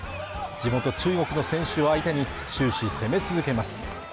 地元中国の選手を相手に終始攻め続けます